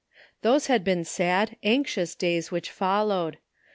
366 Those had been sad, anxious days which fol lowed.